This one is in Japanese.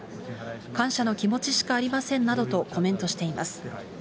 感謝の気持ちしかありませんなどと、コメントしています。